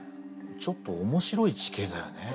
ちょっと面白い地形だよね。